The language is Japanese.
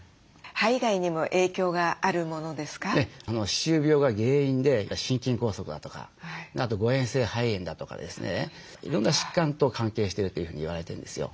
歯周病が原因で心筋梗塞だとかあと誤えん性肺炎だとかですねいろんな疾患と関係してるというふうに言われてるんですよ。